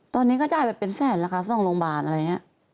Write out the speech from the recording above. ตอนนี้ก็จ่ายแบบเป็นแสนแล้วค่ะ๒โรงพยาบาลอะไรอย่างนี้